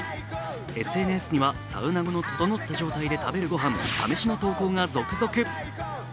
ＳＮＳにはサウナ後のととのった状態で食べるご飯、サ飯の投稿が続々。